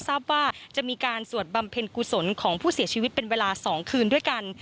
ทราบว่าจะมีการสวดบำเพ็ญกุศลของผู้เสียชีวิตเป็นเวลา๒คืนด้วยกัน